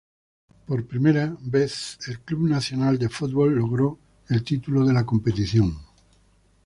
Por primera vez, el Club Nacional de Football logró el título de la competición.